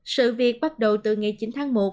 sự việc bắt đầu từ ngày chín tháng một